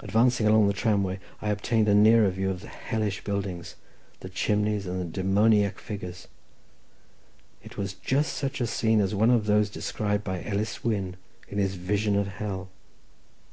Advancing along the tramway, I obtained a nearer view of the hellish buildings, the chimneys and the demoniac figures. It was just such a scene as one of those described by Ellis Wynn in his Vision of Hell.